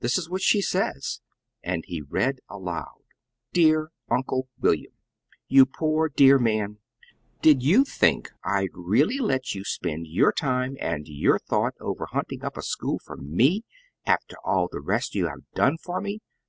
This is what she says." And he read aloud: "DEAR UNCLE WILLIAM: You poor dear man! Did you think I'd really let you spend your time and your thought over hunting up a school for me, after all the rest you have done for me?